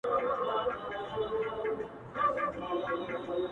تل به گرځېدی په مار پسي پر پولو-